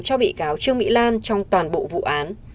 cho bị cáo trương mỹ lan trong toàn bộ vụ án